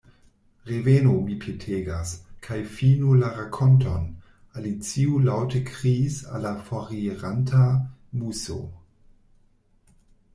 “Revenu, mi petegas, kaj finu la rakonton,” Alicio laŭte kriis al la foriranta Muso.